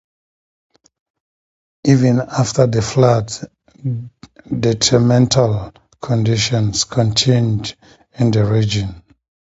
Even after the flood, detrimental conditions continued in the region.